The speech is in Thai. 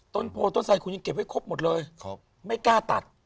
ต้นโภคต้นใส่คุณยังเก็บให้ครบหมดไม่กล้าตัด